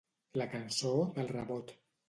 La cançó del rebot.